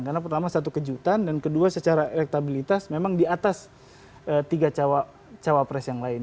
karena pertama satu kejutan dan kedua secara elektabilitas memang di atas tiga cawapres yang lain